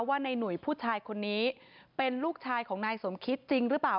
ว่าในหนุ่ยผู้ชายคนนี้เป็นลูกชายของนายสมคิดจริงหรือเปล่า